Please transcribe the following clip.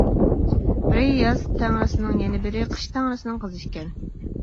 بىرى ياز تەڭرىسىنىڭ، يەنە بىرى قىش تەڭرىسىنىڭ قىزى ئىكەن.